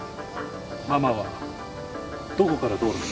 ママはどこから道路に。